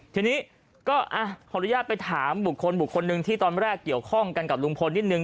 ทีนี้ก็ขออนุญาตไปถามบุคคลบุคคลหนึ่งที่ตอนแรกเกี่ยวข้องกันกับลุงพลนิดนึ